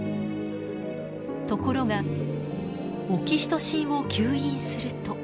ところがオキシトシンを吸引すると。